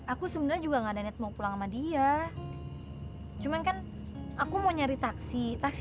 aku sebenarnya juga enggak ada niat mau pulang sama dia cuman kan aku mau nyari taksi taksi